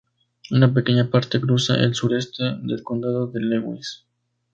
Una pequeña parte cruza el sureste del Condado de Lewis.